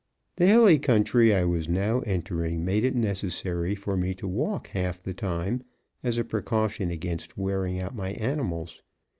The hilly country I was now entering made it necessary for me to walk half the time, as a precaution against wearing out my animals.